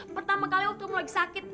pertama kali waktu kamu lagi sakit